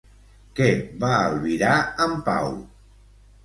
Què va albirar en Pau?